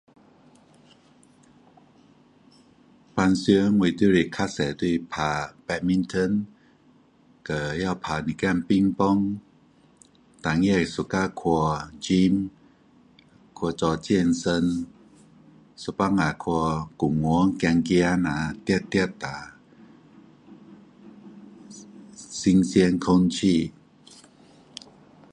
平常我比较多就是打 badminton 和也有打一点乒乓当也会喜欢去 gym 去做健身有时去公园走走下跑跑下啊新鲜空气